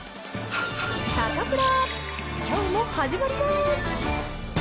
サタプラ、きょうも始まります。